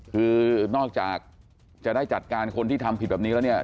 คือนอกจากจะได้จัดการคนที่ทำผิดแบบนี้แล้วเนี่ย